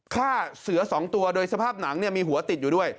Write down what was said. ฆ่าเสือ๒ตัวโดยสภาพหนังมีหัวติดอยู่ด้วย